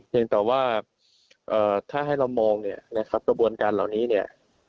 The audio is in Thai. เพียงแต่ว่าถ้าให้เรามองระบวนการเหล่านี้